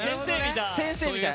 先生みたい。